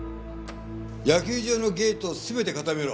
野球場のゲートを全て固めろ。